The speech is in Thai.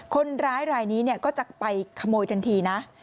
คนร้ายรายนี้ก็จะไปขโมยทันทีนะ